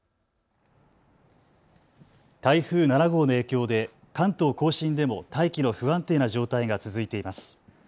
台風７号の影響で関東甲信でも大気の不安定な状態が続いています。